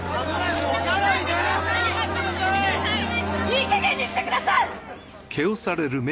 いいかげんにしてください！